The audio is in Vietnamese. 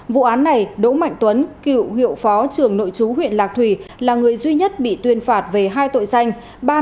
vụ án này đỗ mạnh tuấn cựu hiệu phó trường nội chú huyện lạc thủy là người duy nhất bị tuyên phạt về hai tội danh